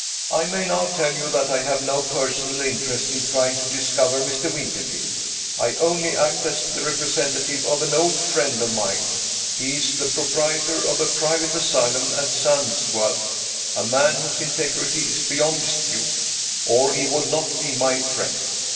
I may now tell you that I have no personal interest in trying to discover Mr. Winterfield; I only act as the representative of an old friend of mine. He is the proprietor of a private asylum at Sandsworth a man whose integrity is beyond dispute, or he would not be my friend.